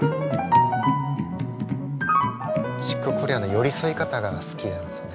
チック・コリアの寄り添い方が好きなんですよね。